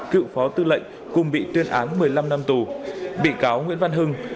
cựu phó tư lệnh cùng bị tuyên án một mươi năm năm tù bị cáo nguyễn văn hưng